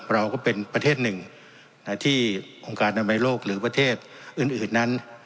เราก็เป็นประเทศหนึ่งที่องค์การอนามัยโลกหรือประเทศอื่นนั้น